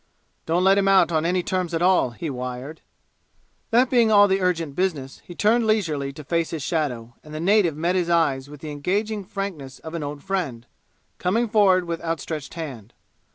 "Don't let him out on any terms at all!" he wired. That being all the urgent business, he turned leisurely to face his shadow, and the native met his eyes with the engaging frankness of an old friend, coming forward with outstretched hand.